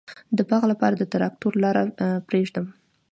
د باغ لپاره د تراکتور لاره پریږدم؟